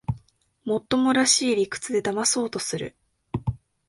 もっともらしい理屈でだまそうとする